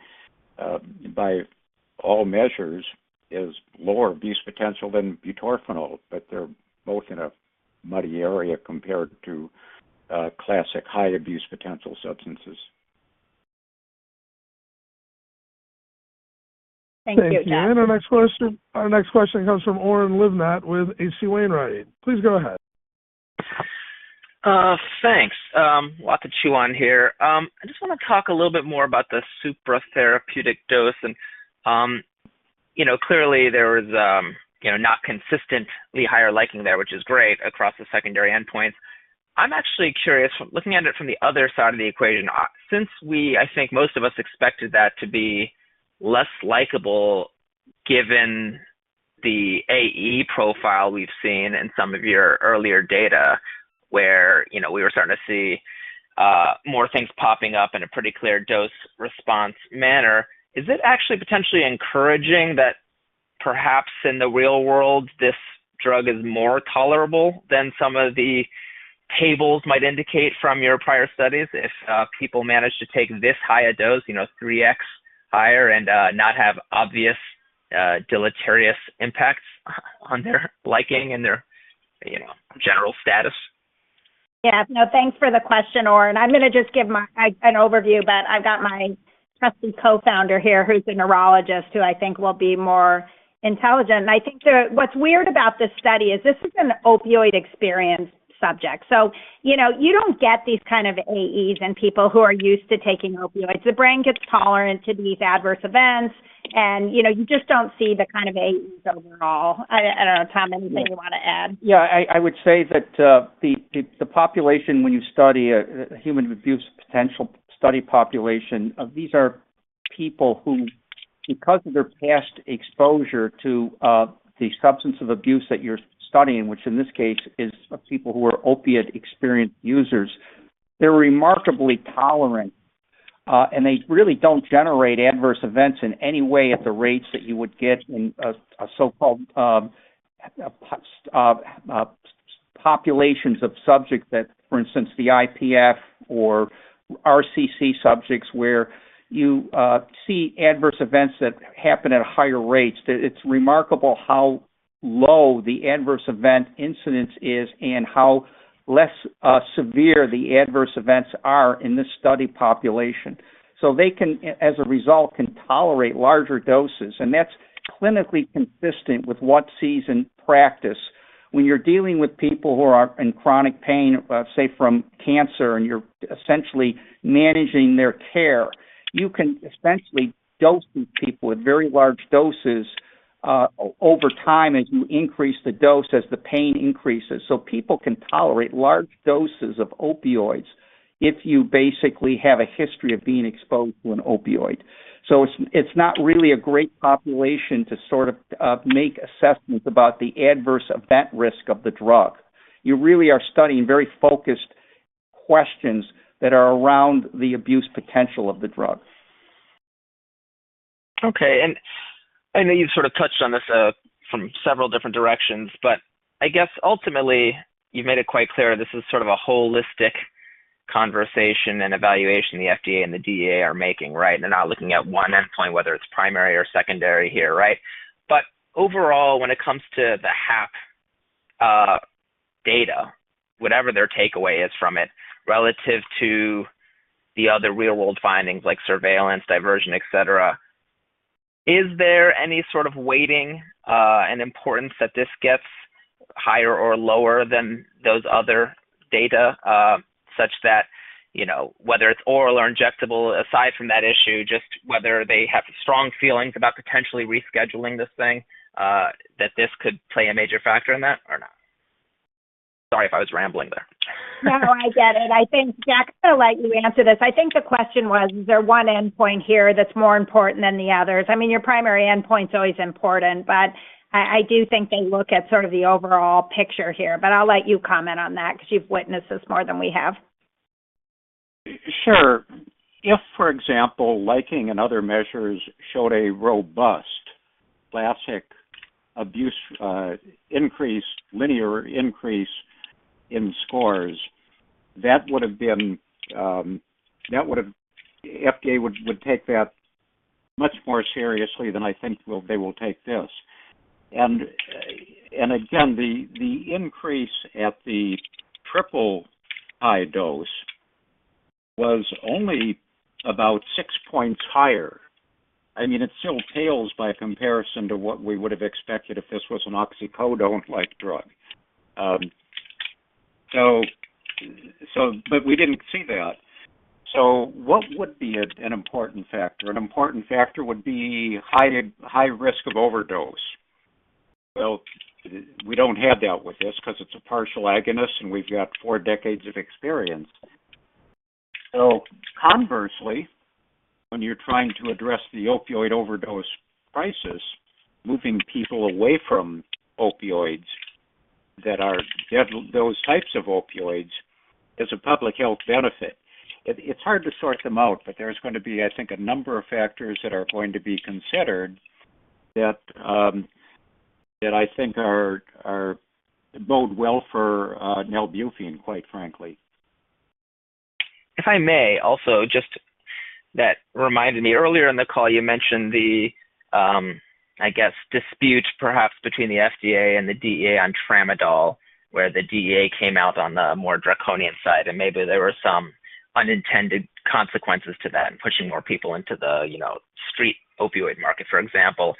by all measures, is lower abuse potential than butorphanol, but they're both in a muddy area compared to classic high abuse potential substances. Thank you, Jack. And our next question comes from Oren Livnat with H.C. Wainwright & Co. Please go ahead. Thanks. A lot to chew on here. I just want to talk a little bit more about the supratherapeutic dose, and clearly, there was not consistently higher liking there, which is great across the secondary endpoints. I'm actually curious, looking at it from the other side of the equation, since I think most of us expected that to be less likable given the AE profile we've seen in some of your earlier data where we were starting to see more things popping up in a pretty clear dose response manner. Is it actually potentially encouraging that perhaps in the real world, this drug is more tolerable than some of the tables might indicate from your prior studies if people manage to take this high a dose, 3x higher, and not have obvious deleterious impacts on their liking and their general status? Yeah. No. Thanks for the question, Oren. I'm going to just give an overview, but I've got my trusted co-founder here who's a neurologist who I think will be more intelligent. And I think what's weird about this study is this is an opioid-experienced subject. So you don't get these kind of AEs in people who are used to taking opioids. The brain gets tolerant to these adverse events, and you just don't see the kind of AEs overall. I don't know, Tom, anything you want to add? Yeah. I would say that the population, when you study a human abuse potential study population, these are people who, because of their past exposure to the substance of abuse that you're studying, which in this case is people who are opiate experienced users, they're remarkably tolerant. And they really don't generate adverse events in any way at the rates that you would get in so-called populations of subjects that, for instance, the IPF or RCC subjects where you see adverse events that happen at higher rates. It's remarkable how low the adverse event incidence is and how less severe the adverse events are in this study population. So they, as a result, can tolerate larger doses. And that's clinically consistent with what's seen in practice. When you're dealing with people who are in chronic pain, say, from cancer, and you're essentially managing their care, you can essentially dose these people with very large doses over time as you increase the dose, as the pain increases. So people can tolerate large doses of opioids if you basically have a history of being exposed to an opioid. So it's not really a great population to sort of make assessments about the adverse event risk of the drug. You really are studying very focused questions that are around the abuse potential of the drug. Okay. And I know you've sort of touched on this from several different directions, but I guess ultimately, you've made it quite clear this is sort of a holistic conversation and evaluation the FDA and the DEA are making, right? And they're not looking at one endpoint, whether it's primary or secondary here, right? But overall, when it comes to the HAP data, whatever their takeaway is from it relative to the other real-world findings like surveillance, diversion, etc., is there any sort of weighting and importance that this gets higher or lower than those other data such that whether it's oral or injectable, aside from that issue, just whether they have strong feelings about potentially rescheduling this thing, that this could play a major factor in that or not? Sorry if I was rambling there. No. I get it. I think, Jack, I feel like you answered this. I think the question was, is there one endpoint here that's more important than the others? I mean, your primary endpoint's always important, but I do think they look at sort of the overall picture here. But I'll let you comment on that because you've witnessed this more than we have. Sure. If, for example, liking and other measures showed a robust classic abuse increase, linear increase in scores, that would have been. FDA would take that much more seriously than I think they will take this. And again, the increase at the triple high dose was only about six points higher. I mean, it still pales by comparison to what we would have expected if this was an oxycodone-like drug. But we didn't see that. So what would be an important factor? An important factor would be high risk of overdose. Well, we don't have that with this because it's a partial agonist, and we've got four decades of experience. So conversely, when you're trying to address the opioid overdose crisis, moving people away from opioids that are those types of opioids is a public health benefit. It's hard to sort them out, but there's going to be, I think, a number of factors that are going to be considered that I think bode well for nalbuphine, quite frankly. If I may, also, just that reminded me earlier in the call, you mentioned the, I guess, dispute perhaps between the FDA and the DEA on tramadol, where the DEA came out on the more draconian side. And maybe there were some unintended consequences to that and pushing more people into the street opioid market, for example.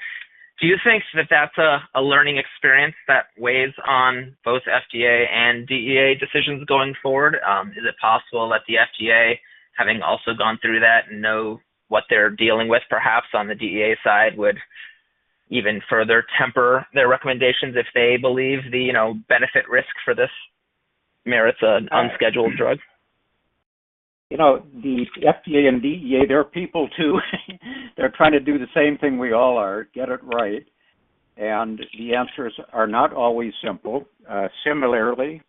Do you think that that's a learning experience that weighs on both FDA and DEA decisions going forward? Is it possible that the FDA, having also gone through that and know what they're dealing with, perhaps on the DEA side, would even further temper their recommendations if they believe the benefit risk for this merits an unscheduled drug? The FDA and DEA, they're people too. They're trying to do the same thing we all are: get it right. And the answers are not always simple. Similarly,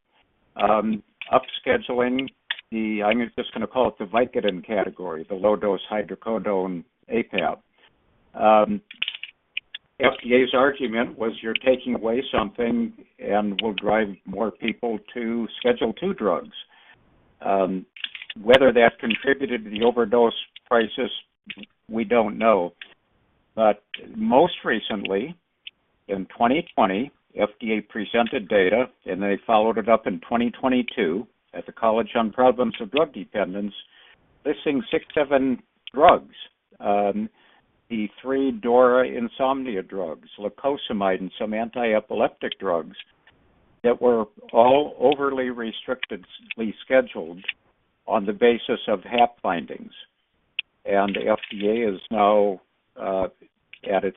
upscheduling the. I'm just going to call it the Vicodin category, the low-dose hydrocodone APAP. FDA's argument was you're taking away something and will drive more people to Schedule II drugs. Whether that contributed to the overdose crisis, we don't know. But most recently, in 2020, FDA presented data, and they followed it up in 2022 at the College on Problems of Drug Dependence, listing six, seven drugs: the three DORA insomnia drugs, lacosamide, and some anti-epileptic drugs that were all overly restrictedly scheduled on the basis of HAP findings. The FDA is now at its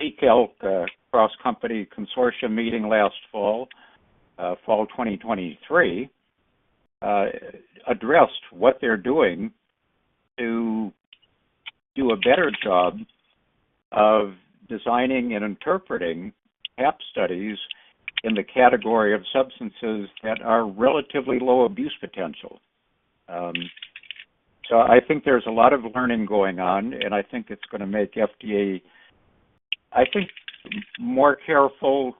CCALC cross-company consortium meeting last fall, fall 2023, addressed what they're doing to do a better job of designing and interpreting HAP studies in the category of substances that are relatively low abuse potential. I think there's a lot of learning going on, and I think it's going to make FDA I think more careful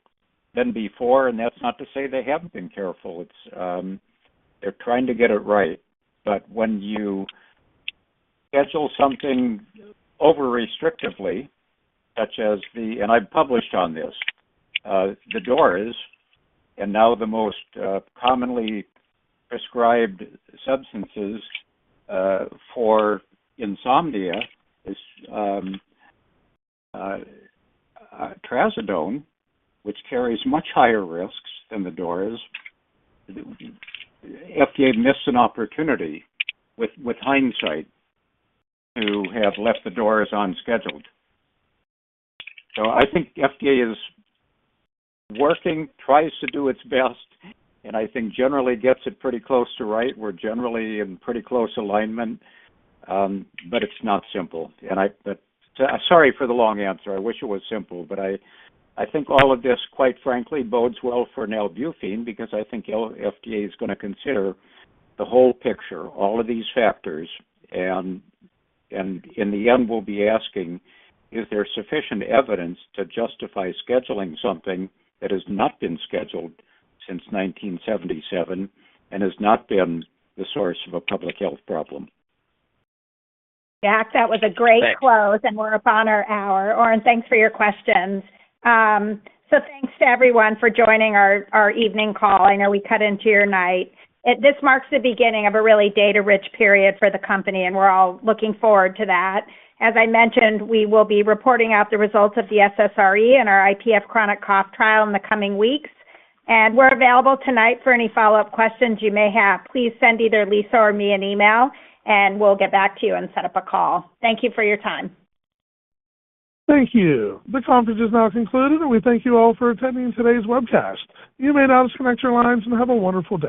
than before. That's not to say they haven't been careful. They're trying to get it right. But when you schedule something over-restrictively, such as the, and I've published on this, the DORAs, and now the most commonly prescribed substances for insomnia is trazodone, which carries much higher risks than the DORAs. FDA missed an opportunity, with hindsight, to have left the DORAs unscheduled. I think FDA is working, tries to do its best, and I think generally gets it pretty close to right. We're generally in pretty close alignment, but it's not simple. And I'm sorry for the long answer. I wish it was simple. But I think all of this, quite frankly, bodes well for nalbuphine because I think FDA is going to consider the whole picture, all of these factors. And in the end, we'll be asking, is there sufficient evidence to justify scheduling something that has not been scheduled since 1977 and has not been the source of a public health problem? Jack, that was a great close, and we're upon our hour. Oren, thanks for your questions. So thanks to everyone for joining our evening call. I know we cut into your night. This marks the beginning of a really data-rich period for the company, and we're all looking forward to that. As I mentioned, we will be reporting out the results of the SSRE and our IPF chronic cough trial in the coming weeks. And we're available tonight for any follow-up questions you may have. Please send either Lisa or me an email, and we'll get back to you and set up a call. Thank you for your time. Thank you. The conference is now concluded, and we thank you all for attending today's webcast. You may now disconnect your lines and have a wonderful day.